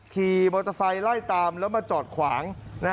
ขี่มอเตอร์ไซค์ไล่ตามแล้วมาจอดขวาง